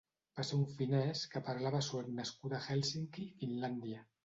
Va ser un finès que parlava suec nascut a Helsinki, Finlàndia.